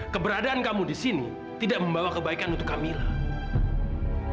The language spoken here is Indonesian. keberadaan kamu di sini tidak membawa kebaikan untuk kamilah